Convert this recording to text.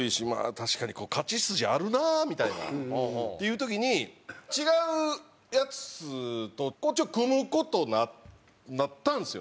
確かに勝ち筋あるなみたいなっていう時に違うヤツと組む事になったんですよね。